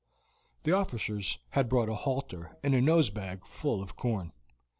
The officers had brought a halter and a nosebag full of corn.